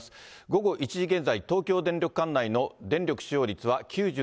午後１時現在、東京電力管内の電力使用率は９２％。